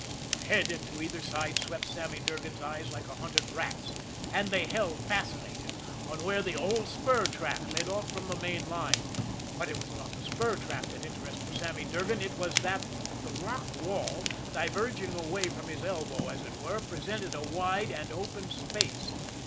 Ahead and to either side swept Sammy Durgan's eyes like a hunted rat's and they held, fascinated, on where the old spur track led off from the main line. But it was not the spur track that interested Sammy Durgan it was that the rock wall, diverging away from his elbow, as it were, presented a wide and open space.